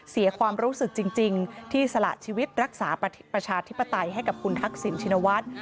เสียความรู้สึกจริงที่สละชีวิตรักษาประชาธิปไตยให้กับคุณทักษิณชินวัฒน์